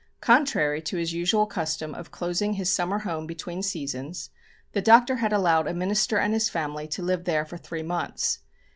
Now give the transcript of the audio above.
Contrary to his usual custom of closing his summer home between seasons, the Doctor had allowed a minister and his family to live there for three months.